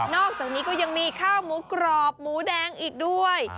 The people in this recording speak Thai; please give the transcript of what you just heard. อกจากนี้ก็ยังมีข้าวหมูกรอบหมูแดงอีกด้วย